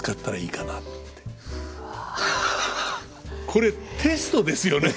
これテストですよね。